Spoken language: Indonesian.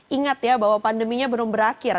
ingat ya bahwa pandeminya belum berakhir